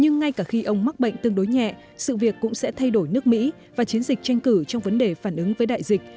nhưng ngay cả khi ông mắc bệnh tương đối nhẹ sự việc cũng sẽ thay đổi nước mỹ và chiến dịch tranh cử trong vấn đề phản ứng với đại dịch